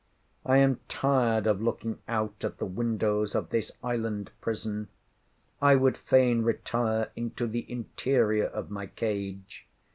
I am tired of looking out at the windows of this island prison. I would fain retire into the interior of my cage.